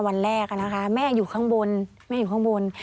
วันแรกนะคะแม่อยู่ข้างบนแม่อยู่ข้างบน